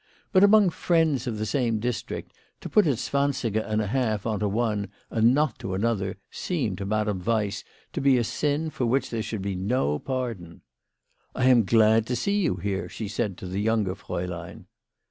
But among friends of the same district, to put a zwansiger and a half on to one and not to another seemed to Madame Weiss to be a sin for which there should be no pardon. " I am so glad to see you here," she said to the younger fraulein.